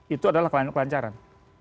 itu adalah kelancaran